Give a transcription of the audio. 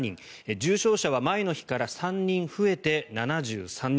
重症者は前の日から３人増えて７３人。